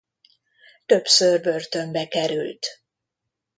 Többször börtönbe került.